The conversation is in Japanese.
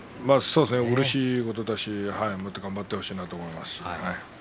うれしいことだし頑張ってほしいなと思います。